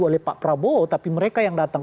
oleh pak prabowo tapi mereka yang datang